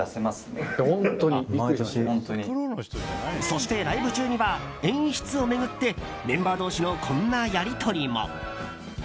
そして、ライブ中には演出を巡ってメンバー同士のこんなやり取りも。